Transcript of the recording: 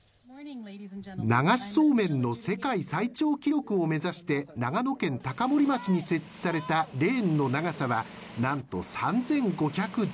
流しそうめんの世界最長記録を目指して長野県高森町に設置されたレーンの長さはなんと３５１５ｍ。